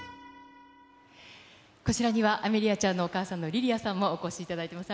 こちらには、アメリアちゃんのお母さんのリリアさんもお越しいただいています。